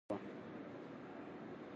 جرګه پر دوو برخو ووېشل شوه.